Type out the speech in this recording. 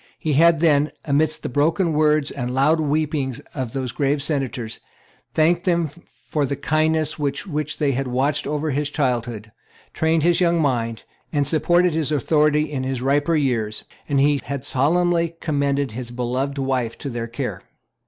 He had then, amidst the broken words and loud weeping of those grave Senators, thanked them for the kindness with which they had watched over his childhood, trained his young mind, and supported his authority in his riper years; and he had solemnly commended his beloved wife to their care.